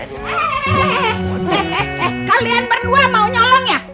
eh eh eh kalian berdua mau nyolong ya